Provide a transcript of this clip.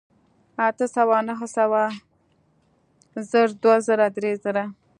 اتۀ سوه نهه سوه زر دوه زره درې زره